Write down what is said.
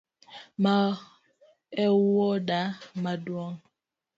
Ma ewuoda maduong’?